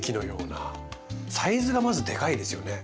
サイズがまずでかいですよね。